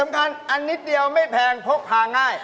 อันนิดเดียวไม่แพงพกพาง่าย